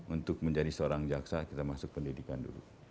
untuk menjadi seorang jaksa kita masuk pendidikan dulu